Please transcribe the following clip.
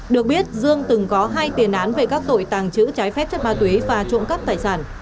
được biết dương từng có hai tiền án về các tội tàng trữ trái phép chất ma túy và trộm cắp tài sản